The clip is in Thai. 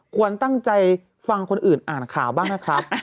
ควรตั้งใจฟังคนอื่นอ่านข่าวบ้างนะครับ